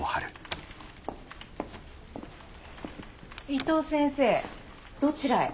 伊藤先生どちらへ？